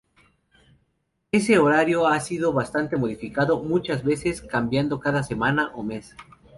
Ese horario ha sido bastante modificado, muchas veces cambiando cada semana o mes.